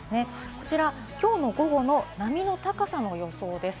こちら、きょう午後の波の高さの予想です。